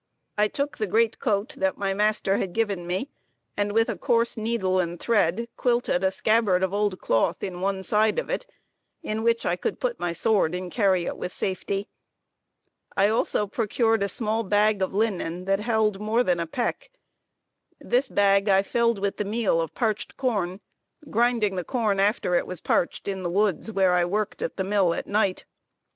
I took the great coat that my master had given me, and with a coarse needle and thread quilted a scabbard of old cloth in one side of it, in which I could put my sword and carry it with safety. I also procured a small bag of linen that held more than a peck. This bag I filled with the meal of parched corn, grinding the corn after it was parched in the woods where I worked at the mill at night.